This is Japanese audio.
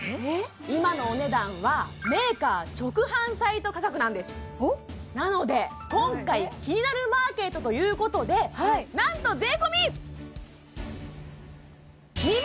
今のお値段はメーカー直販サイト価格なんですおっなので今回「キニナルマーケット」ということでなんと税込え！